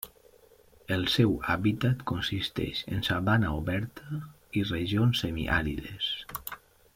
El seu hàbitat consisteix en sabana oberta i regions semiàrides.